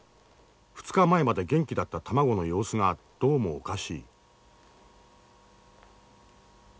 ２日前まで元気だった卵の様子がどうもおかしい。